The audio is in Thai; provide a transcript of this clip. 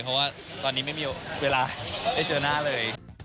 เพราะว่าตอนนี้ไม่มีเวลาได้เจอหน้าเลย